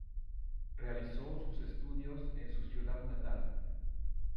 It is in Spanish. Realizó sus estudios en su ciudad natal.